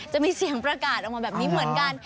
จะมีเสียงประกาศออกมาแบบนี้เหมือนกัน